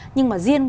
nhưng mà riêng